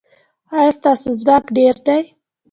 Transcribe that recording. ایا ستاسو ځواک ډیر دی؟